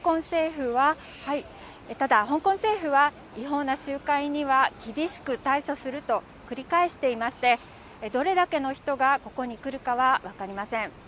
ただ、香港政府は違法な集会には厳しく対処すると繰り返していまして、どれだけの人がここに来るかは分かりません。